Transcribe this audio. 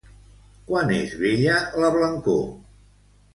Quan és bella la blancor?